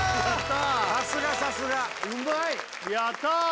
さすがさすがうまいやったー